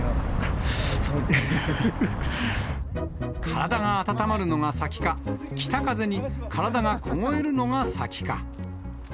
体が温まるのが先か、北風に体が凍えるのが先か。